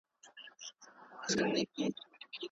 موږ د یو بل په مرسته ژوند پر مخ وړو.